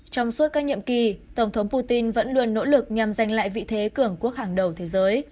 trong suốt các nhiệm kỳ tổng thống putin vẫn luôn nỗ lực nhằm giành lại vị thế cường quốc hàng đầu thế giới